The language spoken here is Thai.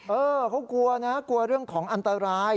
เออเขากลัวนะกลัวเรื่องของอันตราย